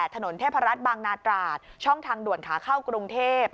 ถนนเทพรัฐบางนาตราดช่องทางด่วนขาเข้ากรุงเทพ